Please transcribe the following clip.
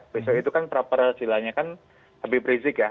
bisa itu kan pra peradilannya kan lebih berizik ya